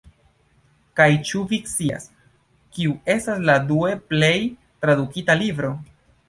Kaj ĉu vi scias, kiu estas la due plej tradukita libro?